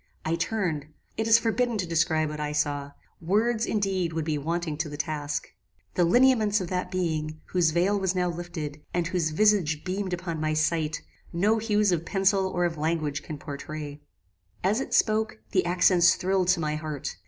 "I turned: It is forbidden to describe what I saw: Words, indeed, would be wanting to the task. The lineaments of that being, whose veil was now lifted, and whose visage beamed upon my sight, no hues of pencil or of language can pourtray. "As it spoke, the accents thrilled to my heart.